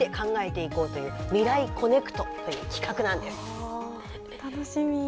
お楽しみ。